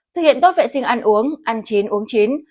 thực hiện tốt vệ sinh ăn uống ăn chín uống chín